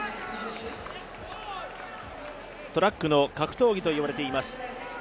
トラックの格闘技と呼ばれています